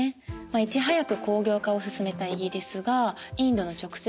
いち早く工業化を進めたイギリスがインドの直接統治を始めて。